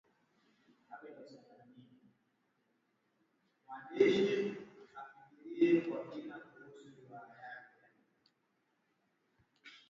Ondoa tope pamoja na taka inayooza katika mabanda au maeneo ya kukaa wanyama